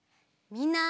みんな！